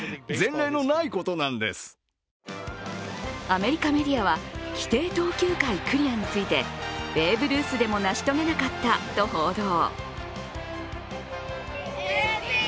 アメリカメディアは規定投球回クリアについてベーブ・ルースでも成し遂げなかったと報道。